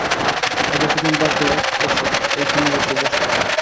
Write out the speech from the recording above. মধুসূদন ডাকলে, এসো, এইখানে এসো, বসো।